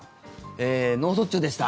脳卒中でした。